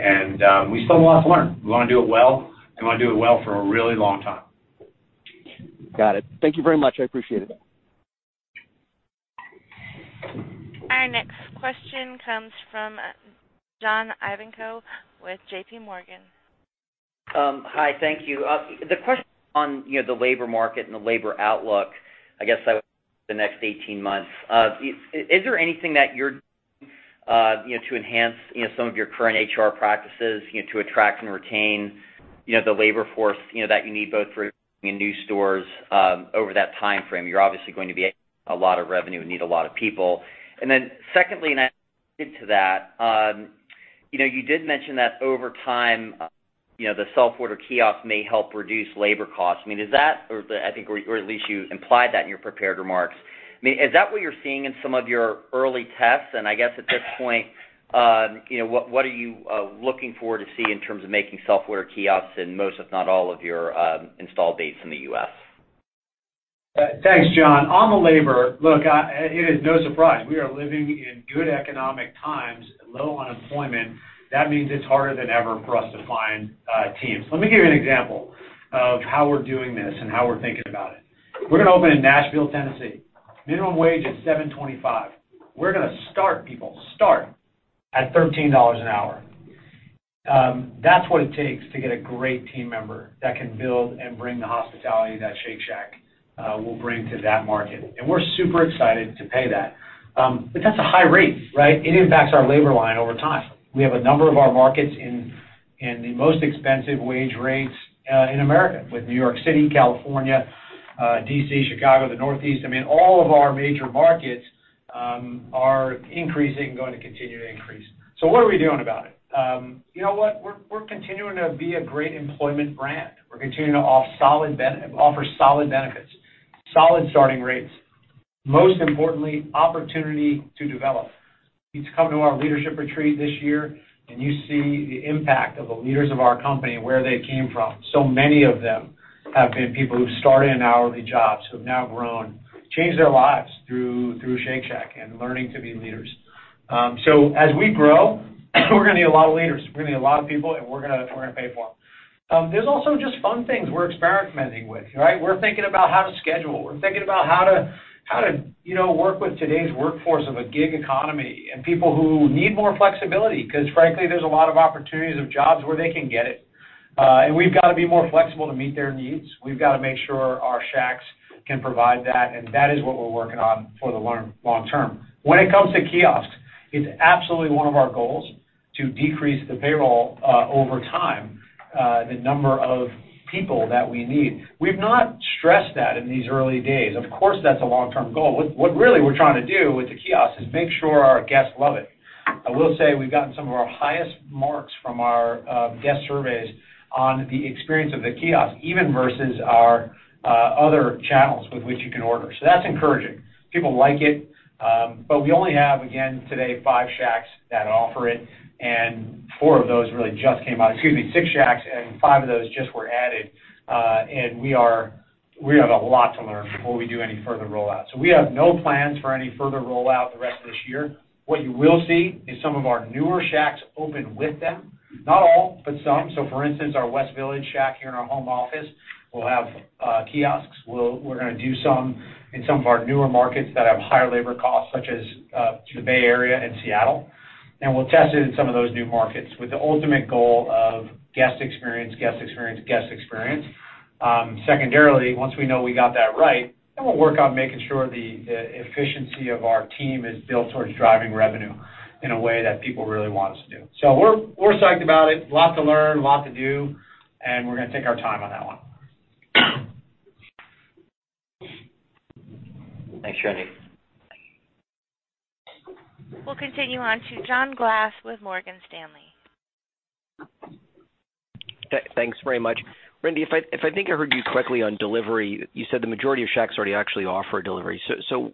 We still have a lot to learn. We want to do it well, and we want to do it well for a really long time. Got it. Thank you very much. I appreciate it. Our next question comes from John Ivankoe with J.P. Morgan. Hi, thank you. The question on the labor market and the labor outlook, I guess, over the next 18 months. Is there anything that you're doing to enhance some of your current HR practices to attract and retain the labor force that you need both for new stores over that timeframe? You're obviously going to be adding a lot of revenue and need a lot of people. Secondly, and to that, you did mention that over time the self-order kiosk may help reduce labor costs. Or at least you implied that in your prepared remarks. Is that what you're seeing in some of your early tests? I guess at this point, what are you looking forward to see in terms of making self-order kiosks in most, if not all of your install base in the U.S.? Thanks, John. On the labor, look, it is no surprise. We are living in good economic times, low unemployment. That means it's harder than ever for us to find teams. Let me give you an example of how we're doing this and how we're thinking about it. We're going to open in Nashville, Tennessee. Minimum wage is $7.25. We're going to start people, start at $13 an hour. That's what it takes to get a great team member that can build and bring the hospitality that Shake Shack will bring to that market. We're super excited to pay that. That's a high rate, right? It impacts our labor line over time. We have a number of our markets in the most expensive wage rates in America with New York City, California, D.C., Chicago, the Northeast. All of our major markets are increasing, going to continue to increase. What are we doing about it? You know what? We're continuing to be a great employment brand. We're continuing to offer solid benefits, solid starting rates, most importantly, opportunity to develop. You come to our leadership retreat this year, and you see the impact of the leaders of our company, where they came from. Many of them have been people who started in hourly jobs, who've now grown, changed their lives through Shake Shack and learning to be leaders. As we grow, we're going to need a lot of leaders. We're going to need a lot of people, and we're going to pay for them. There's also just fun things we're experimenting with, right? We're thinking about how to schedule. We're thinking about how to work with today's workforce of a gig economy and people who need more flexibility because frankly, there's a lot of opportunities of jobs where they can get it. We've got to be more flexible to meet their needs. We've got to make sure our Shacks can provide that, and that is what we're working on for the long term. When it comes to kiosks, it's absolutely one of our goals to decrease the payroll over time, the number of people that we need. We've not stressed that in these early days. Of course, that's a long-term goal. What really we're trying to do with the kiosks is make sure our guests love it. I will say we've gotten some of our highest marks from our guest surveys on the experience of the kiosks, even versus our other channels with which you can order. That's encouraging. People like it. We only have, again, today, 5 Shacks that offer it, and 4 of those really just came out. Excuse me, 6 Shacks, and 5 of those just were added. We have a lot to learn before we do any further rollout. We have no plans for any further rollout the rest of this year. What you will see is some of our newer Shacks open with them. Not all, but some. For instance, our West Village Shack here in our home office will have kiosks. We're going to do some in some of our newer markets that have higher labor costs, such as the Bay Area and Seattle. We'll test it in some of those new markets with the ultimate goal of guest experience. Secondarily, once we know we got that right, we'll work on making sure the efficiency of our team is built towards driving revenue in a way that people really want us to do. We're psyched about it. Lot to learn, lot to do, we're going to take our time on that one. Thanks, Randy. We'll continue on to John Glass with Morgan Stanley. Thanks very much. Randy, if I think I heard you correctly on delivery, you said the majority of Shacks already actually offer delivery.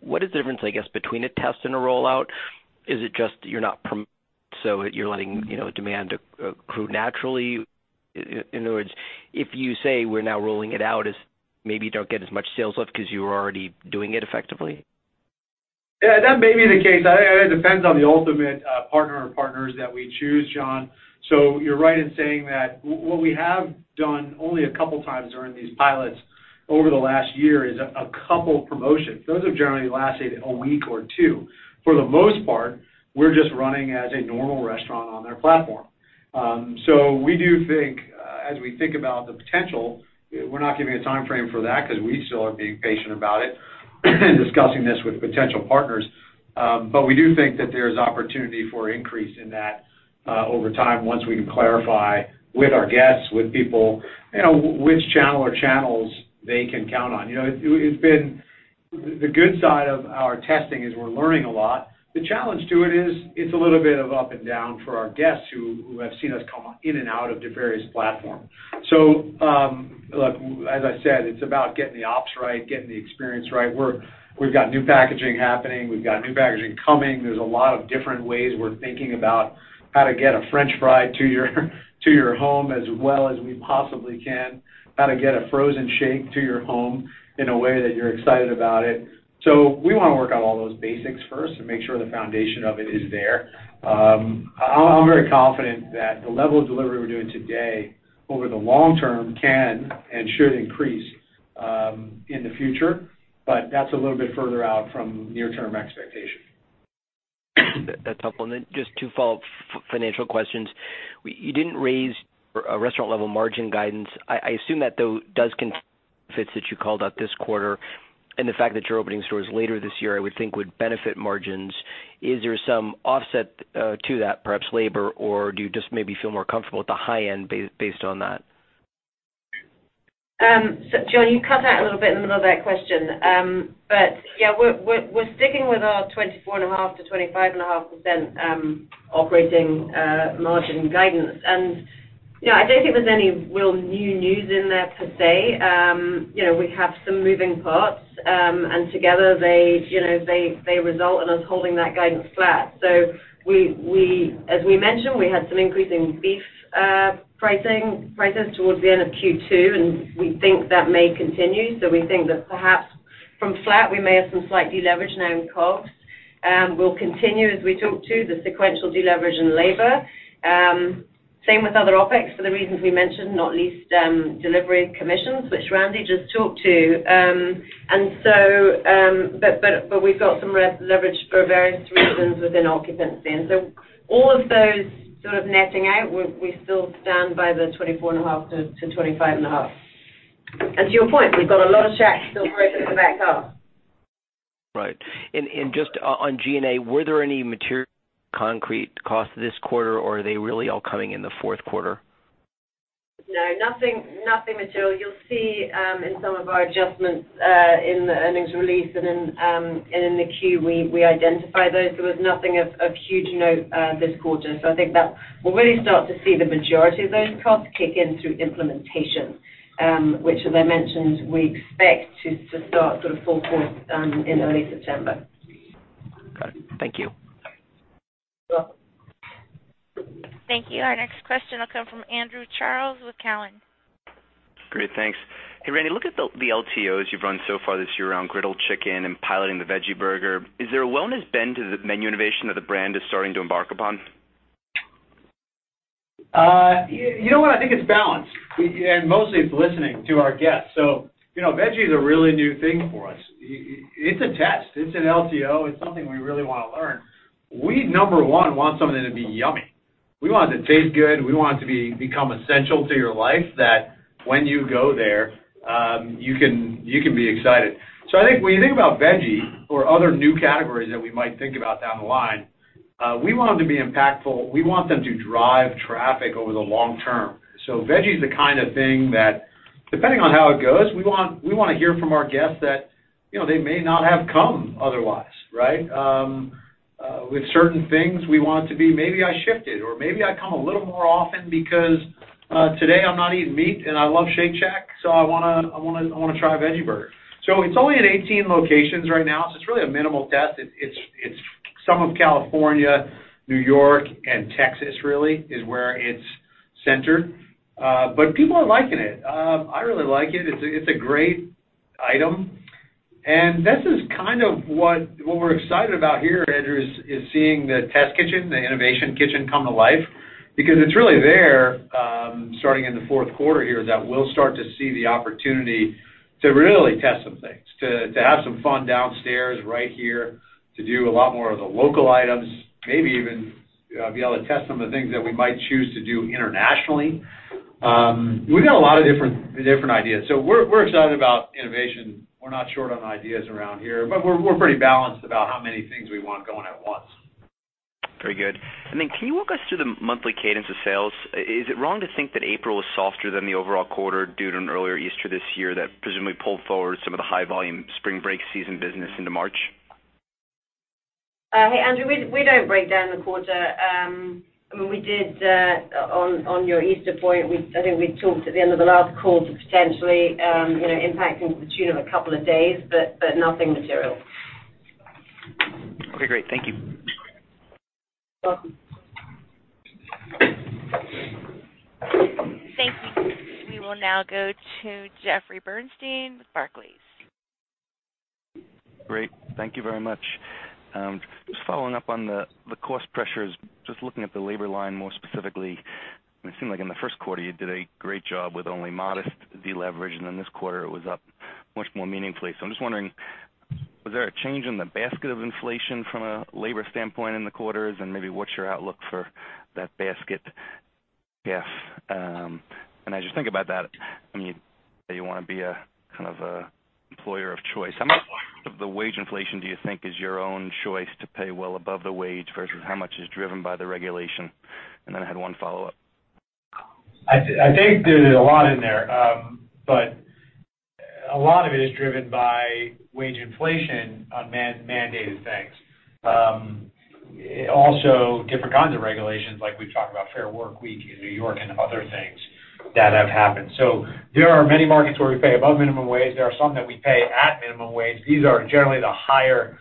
What is the difference, I guess, between a test and a rollout? Is it just you're not promoting, so you're letting demand accrue naturally? In other words, if you say we're now rolling it out, maybe you don't get as much sales lift because you were already doing it effectively? Yeah, that may be the case. It depends on the ultimate partner or partners that we choose, John. You're right in saying that what we have done only a couple of times during these pilots over the last year is a couple promotions. Those have generally lasted a week or two. For the most part, we're just running as a normal restaurant on their platform. We do think, as we think about the potential, we're not giving a timeframe for that because we still are being patient about it and discussing this with potential partners. We do think that there's opportunity for increase in that over time, once we can clarify with our guests, with people, which channel or channels they can count on. The good side of our testing is we're learning a lot. The challenge to it is, it's a little bit of up and down for our guests who have seen us come in and out of the various platforms. Look, as I said, it's about getting the ops right, getting the experience right. We've got new packaging happening. We've got new packaging coming. There's a lot of different ways we're thinking about how to get a french fry to your home as well as we possibly can, how to get a frozen shake to your home in a way that you're excited about it. We want to work on all those basics first and make sure the foundation of it is there. I'm very confident that the level of delivery we're doing today, over the long term, can and should increase in the future, but that's a little bit further out from near-term expectation. That's helpful. Just two follow-up financial questions. You didn't raise a restaurant-level margin guidance. I assume that, though, does confer fits that you called out this quarter, and the fact that you're opening stores later this year, I would think would benefit margins. Is there some offset to that, perhaps labor, or do you just maybe feel more comfortable at the high end based on that? John, you cut out a little bit in the middle of that question. Yeah, we're sticking with our 24.5%-25.5% operating margin guidance. I don't think there's any real new news in there per se. We have some moving parts, and together they result in us holding that guidance flat. As we mentioned, we had some increase in beef prices towards the end of Q2, and we think that may continue. We think that perhaps from flat, we may have some slight deleverage now in COGS. We'll continue, as we talk to the sequential deleverage in labor. Same with other OpEx for the reasons we mentioned, not least delivery commissions, which Randy just talked to. We've got some leverage for various reasons within occupancy. All of those sort of netting out, we're still stand by the 24.5%-25.5%. To your point, we've got a lot of Shacks still broken to back up. Right. Just on G&A, were there any material Concrete costs this quarter, or are they really all coming in the fourth quarter? No, nothing material. You'll see in some of our adjustments in the earnings release and in the Q, we identify those. There was nothing of huge note this quarter. I think that we'll really start to see the majority of those costs kick in through implementation, which as I mentioned, we expect to start sort of full force in early September. Got it. Thank you. You're welcome. Thank you. Our next question will come from Andrew Charles with Cowen. Great, thanks. Hey, Randy, look at the LTOs you've run so far this year around griddled chicken and piloting the Veggie Shack. Is there a wellness bend to the menu innovation that the brand is starting to embark upon? You know what? I think it's balanced, and mostly it's listening to our guests. Veggie Shack is a really new thing for us. It's a test. It's an LTO. It's something we really want to learn. We, number 1, want something to be yummy. We want it to taste good. We want it to become essential to your life that when you go there, you can be excited. I think when you think about Veggie Shack or other new categories that we might think about down the line, we want them to be impactful. We want them to drive traffic over the long term. Veggie Shack is the kind of thing that, depending on how it goes, we want to hear from our guests that they may not have come otherwise, right? Yeah With certain things, we want it to be maybe I shifted, or maybe I come a little more often because today I'm not eating meat and I love Shake Shack, so I want to try a Veggie Shack. It's only in 18 locations right now, so it's really a minimal test. It's some of California, New York, and Texas really is where it's centered. People are liking it. I really like it. It's a great item. This is what we're excited about here, Andrew, is seeing the test kitchen, the innovation kitchen, come to life because it's really there, starting in the fourth quarter here, that we'll start to see the opportunity to really test some things, to have some fun downstairs right here, to do a lot more of the local items, maybe even be able to test some of the things that we might choose to do internationally. We've got a lot of different ideas. We're excited about innovation. We're not short on ideas around here, but we're pretty balanced about how many things we want going at once. Very good. Can you walk us through the monthly cadence of sales? Is it wrong to think that April was softer than the overall quarter due to an earlier Easter this year that presumably pulled forward some of the high volume spring break season business into March? Hey, Andrew, we don't break down the quarter. On your Easter point, I think we talked at the end of the last call to potentially impacting to the tune of a couple of days, but nothing material. Okay, great. Thank you. Welcome. Thank you. We will now go to Jeffrey Bernstein with Barclays. Great. Thank you very much. Just following up on the cost pressures, just looking at the labor line more specifically, it seemed like in the first quarter, you did a great job with only modest deleverage, then this quarter it was up much more meaningfully. I'm just wondering, was there a change in the basket of inflation from a labor standpoint in the quarters? Maybe what's your outlook for that basket, Jeff? As you think about that, you want to be a kind of employer of choice. How much of the wage inflation do you think is your own choice to pay well above the wage, versus how much is driven by the regulation? Then I had one follow-up. I think there's a lot in there. A lot of it is driven by wage inflation on mandated things. Also different kinds of regulations, like we've talked about Fair Workweek Law in New York and other things that have happened. There are many markets where we pay above minimum wage. There are some that we pay at minimum wage. These are generally the higher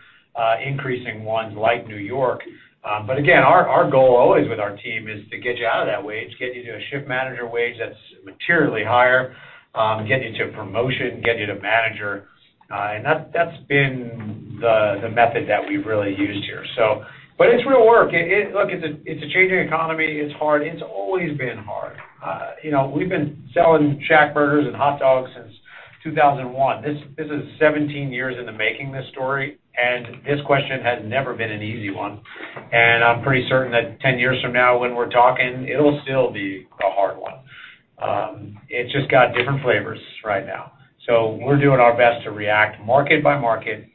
increasing ones like New York. Again, our goal always with our team is to get you out of that wage, get you to a shift manager wage that's materially higher, get you to a promotion, get you to manager. That's been the method that we've really used here. It's real work. Look, it's a changing economy. It's hard. It's always been hard. We've been selling ShackBurger and hot dogs since 2001. This is 17 years in the making, this story, this question has never been an easy one. I'm pretty certain that 10 years from now when we're talking, it'll still be a hard one. It's just got different flavors right now. We're doing our best to react market by market.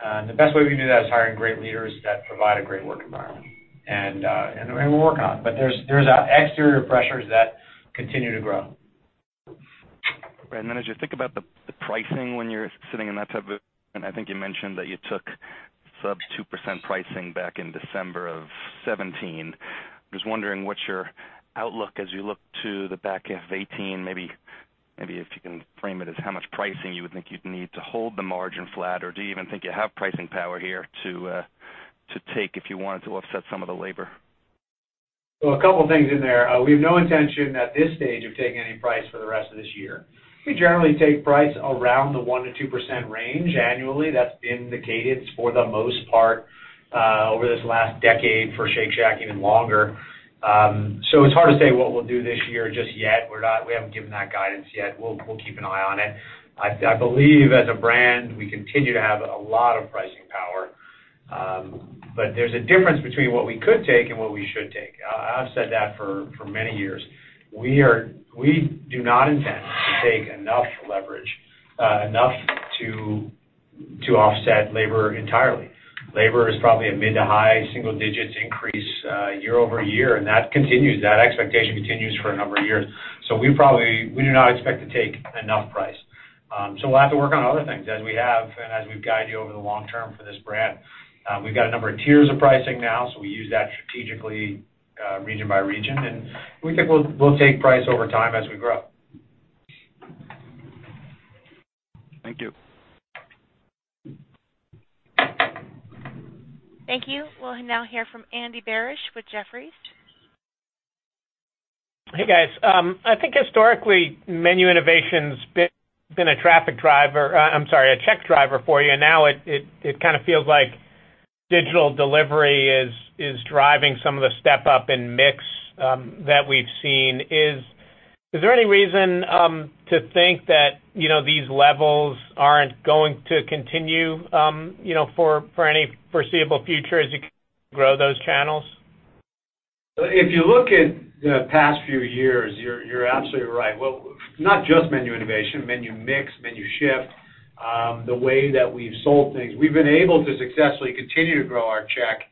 The best way we can do that is hiring great leaders that provide a great work environment. We're working on it, but there's exterior pressures that continue to grow. Right. As you think about the pricing when you're sitting in that type of, I think you mentioned that you took sub 2% pricing back in December of 2017. Just wondering what's your outlook as you look to the back half of 2018, maybe if you can frame it as how much pricing you would think you'd need to hold the margin flat, or do you even think you have pricing power here to take if you wanted to offset some of the labor? A couple of things in there. We have no intention at this stage of taking any price for the rest of this year. We generally take price around the 1%-2% range annually. That's been the cadence for the most part over this last decade for Shake Shack even longer. It's hard to say what we'll do this year just yet. We haven't given that guidance yet. We'll keep an eye on it. I believe as a brand, we continue to have a lot of pricing power. There's a difference between what we could take and what we should take. I've said that for many years. We do not intend to take enough leverage, enough to offset labor entirely. Labor is probably a mid to high single digits increase year-over-year, and that continues, that expectation continues for a number of years. We do not expect to take enough price. We'll have to work on other things as we have and as we've guided you over the long term for this brand. We've got a number of tiers of pricing now, we use that strategically region by region, we think we'll take price over time as we grow. Thank you. Thank you. We'll now hear from Andy Barish with Jefferies. Hey, guys. I think historically, menu innovation's been a traffic driver, I'm sorry, a check driver for you, and now it kind of feels like digital delivery is driving some of the step-up in mix that we've seen. Is there any reason to think that these levels aren't going to continue for any foreseeable future as you grow those channels? If you look at the past few years, you're absolutely right. Well, not just menu innovation, menu mix, menu shift, the way that we've sold things. We've been able to successfully continue to grow our check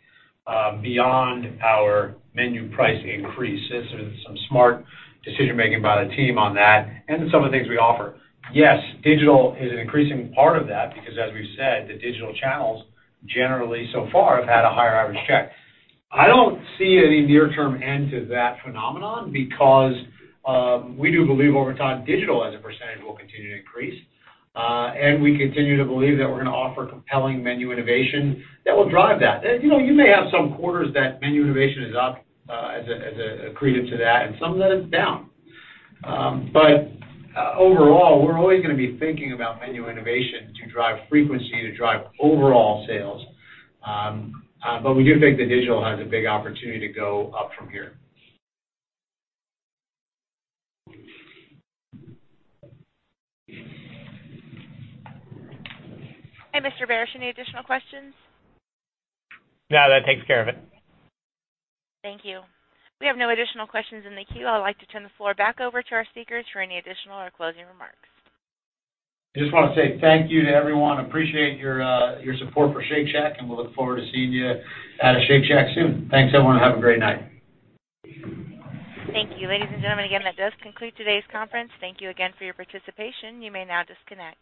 beyond our menu price increases, and some smart decision-making by the team on that and some of the things we offer. Yes, digital is an increasing part of that because as we've said, the digital channels generally so far have had a higher average check. I don't see any near-term end to that phenomenon because we do believe over time digital as a % will continue to increase. We continue to believe that we're going to offer compelling menu innovation that will drive that. You may have some quarters that menu innovation is up as accretive to that, and some that it's down. Overall, we're always going to be thinking about menu innovation to drive frequency, to drive overall sales. We do think the digital has a big opportunity to go up from here. Hey, Mr. Barish, any additional questions? No, that takes care of it. Thank you. We have no additional questions in the queue. I'd like to turn the floor back over to our speakers for any additional or closing remarks. I just want to say thank you to everyone. Appreciate your support for Shake Shack, and we'll look forward to seeing you at a Shake Shack soon. Thanks, everyone. Have a great night. Thank you. Ladies and gentlemen, again, that does conclude today's conference. Thank you again for your participation. You may now disconnect.